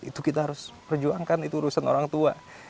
itu kita harus perjuangkan itu urusan orang tua